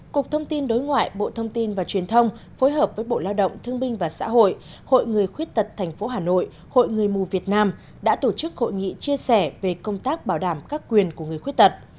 cục thông tin đối ngoại bộ thông tin và truyền thông phối hợp với bộ lao động thương binh và xã hội hội người khuyết tật tp hà nội hội người mù việt nam đã tổ chức hội nghị chia sẻ về công tác bảo đảm các quyền của người khuyết tật